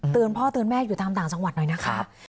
พ่อเตือนแม่อยู่ตามต่างจังหวัดหน่อยนะคะ